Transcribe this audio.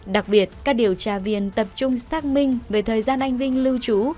đặc biệt các điều tra viên tập trung xác minh về thời gian anh vinh lưu trú